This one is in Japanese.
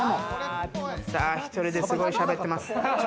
１人ですごいしゃべってます。